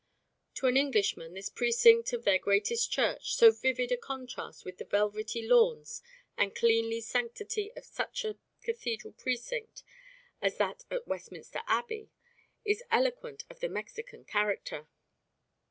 To an Englishman this precinct of their greatest church, so vivid a contrast with the velvety lawns and cleanly sanctity of such a cathedral precinct as that at Westminster Abbey, is eloquent of the Mexican character.